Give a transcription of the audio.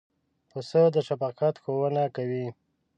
پسه د شفقت ښوونه کوي.